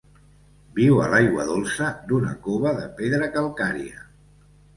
Viu a l'aigua dolça d'una cova de pedra calcària.